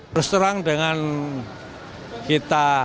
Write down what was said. berus terang dengan kita